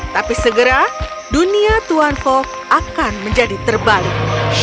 tapi segera dunia tuan fog akan menjadi terbalik